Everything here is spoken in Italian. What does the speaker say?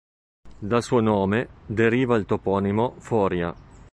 Dal suo nome deriva il toponimo "Foria".